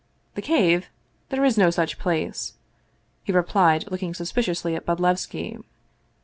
" The Cave ? There is no such place !" he replied, look ing suspiciously at Bodlevski.